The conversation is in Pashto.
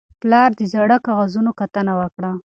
پلار د زاړه کاغذونو کتنه وکړه